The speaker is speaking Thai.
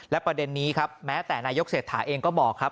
และประเด็นนี้ครับแม้แต่นายกเศรษฐาเองก็บอกครับ